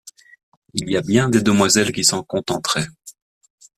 Il y a bien des demoiselles qui s’en contenteraient !